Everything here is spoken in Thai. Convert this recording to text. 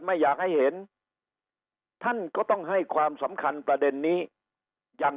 ไม่อยากให้เห็นท่านก็ต้องให้ความสำคัญประเด็นนี้อย่าง